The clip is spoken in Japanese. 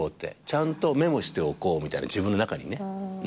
ちゃんとメモしておこうみたいな自分の中にね。